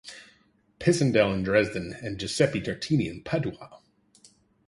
Pisendel in Dresden and Giuseppe Tartini in Padua.